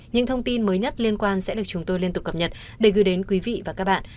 những thông tin mới nhất liên quan sẽ được chúng tôi liên tục cập nhật để gửi đến quý vị và các bạn